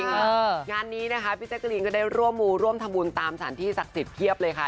งานนี้นะคะพี่แจ๊กรีนก็ได้ร่วมมูร่วมทำบุญตามสถานที่ศักดิ์สิทธิเพียบเลยค่ะ